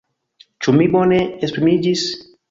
Ĉu mi bone esprimiĝis?